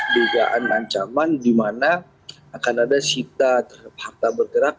begaan ancaman di mana akan ada sifat harta bergerak